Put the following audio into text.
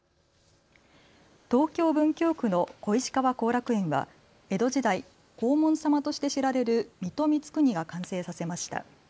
東京文京区の小石川後楽園は江戸時代、黄門様として知られる水戸光圀が完成させました。